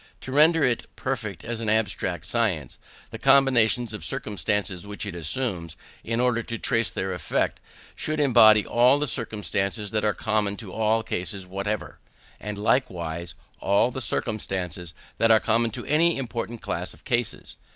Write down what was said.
To render it perfect as an abstract science, the combinations of circumstances which it assumes, in order to trace their effects, should embody all the circumstances that are common to all cases whatever, and likewise all the circumstances that are common to any important class of cases.